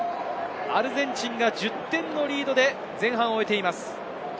アルゼンチンが１０点のリードで、前半を終えています。